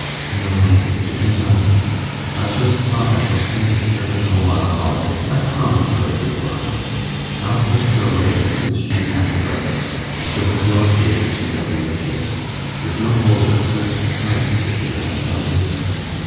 'No, my dear, depend on me. I've just thought I shall send the servant home on a holiday I've promised her a good while. I'll send her away as soon as she's had her breakfast, and she'll have no occasion to know you're here. There's no holding servants' tongues, if you let 'em know anything.